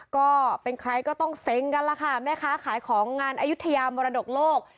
ก็เป็นใครก็ต้องเซ้งกันล่ะค่ะแม่ค้าขายของงานอายุทยามรดกโลก